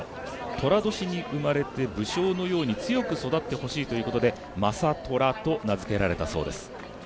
とら年に生まれて、武将のように強く育ってほしいということで「将虎」と名付けられたそうです。